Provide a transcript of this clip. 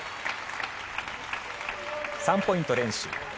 ３ポイント連取。